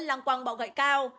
lan quăng bỏ gậy cao